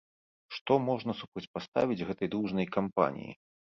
Што можна супрацьпаставіць гэтай дружнай кампаніі?